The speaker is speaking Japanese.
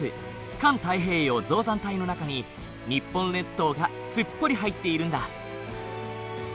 環太平洋造山帯の中に日本列島がすっぽり入っているんだ。